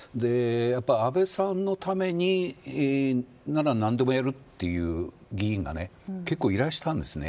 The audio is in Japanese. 安倍さんのためにためなら何でもやるという議員が結構いらしたんです。